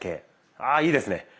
あいいですね！